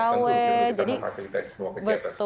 ya tentu juga kita memfasilitasi semua kegiatan seperti itu